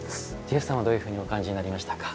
ジェフさんはどういうふうにお感じになりましたか？